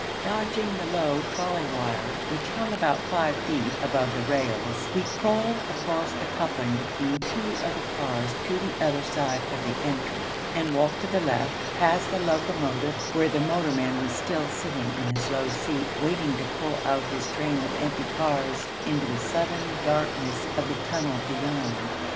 Dodging the low trolley wire which hung about five feet above the rails, we crawled across the coupling between two of the cars to the other side of the entry, and walked to the left, past the locomotive where the motorman was still sitting in his low seat, waiting to pull out his train of empty cars into the sudden darkness of the tunnel beyond.